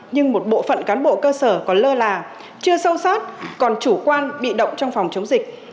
nhưng một bộ phận cán bộ cơ sở còn lơ là chưa sâu sát còn chủ quan bị động trong phòng chống dịch